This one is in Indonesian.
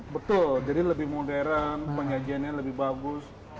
betul jadi lebih modern penyajiannya lebih bagus